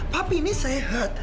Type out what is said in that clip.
papi ini sehat